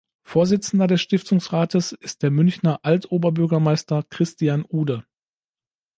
Vorsitzender des Stiftungsrates ist der Münchner Alt-Oberbürgermeister Christian Ude.